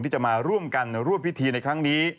ที่จะมาร่วมกันร่วมพิธีในครั้งนี้